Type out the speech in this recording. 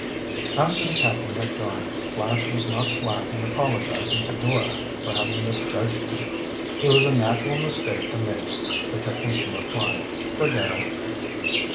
After the captain had gone, Flash was not slack in apologizing to Doyle for having misjudged him. "It was a natural mistake to make," the technician replied. "Forget it."